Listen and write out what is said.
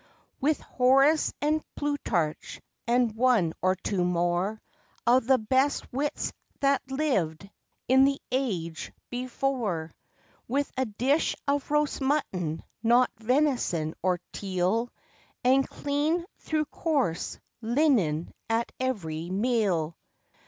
With Horace and Plutarch, and one or two more Of the best wits that lived in the age before; With a dish of roast mutton, not venison or teal, And clean, though coarse, linen at every meal.